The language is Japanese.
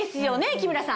木村さん。